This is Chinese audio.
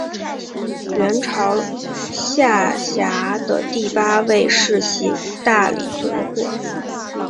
元朝辖下的第八位世袭大理总管。